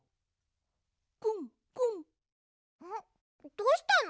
どうしたの？